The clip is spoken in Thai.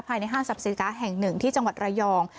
ภายในห้างสรรพสิทธิ์กาแห่ง๑ที่จังหวัดระยอง